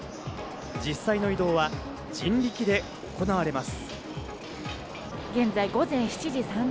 実際の移動は人力で行われます。